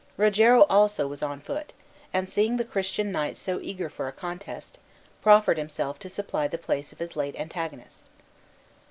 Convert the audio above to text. Rogero also was on foot, and seeing the Christian knight so eager for a contest, proffered himself to supply the place of his late antagonist.